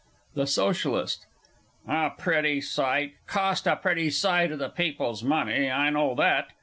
THE SOCIALIST. A pretty sight? Cost a pretty sight o' the People's money, I know that.